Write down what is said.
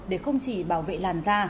để không chỉ bảo vệ làn da